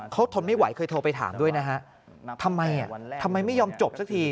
เขาทนไม่ไหวเคยโทรไปถามด้วยนะฮะทำไมอ่ะทำไมทำไมไม่ยอมจบสักที